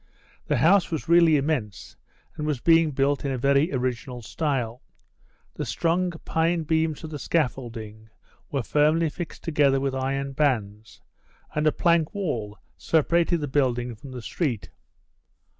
The house was really immense and was being built in a very original style. The strong pine beams of the scaffolding were firmly fixed together with iron bands and a plank wall separated the building from the street.